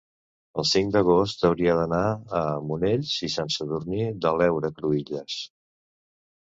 el cinc d'agost hauria d'anar a Monells i Sant Sadurní de l'Heura Cruïlles.